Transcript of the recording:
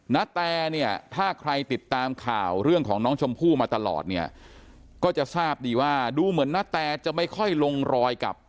นาแตเนี่ยถ้าใครติดตามข่าวเรื่องของน้องชมพู่มาตลอดเนี่ยก็จะทราบดีว่าดูเหมือนนาแตจะไม่ค่อยลงรอยกับ